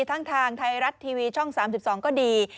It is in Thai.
ทางไทยรัฐทีวีช่อง๓๒ก็ดี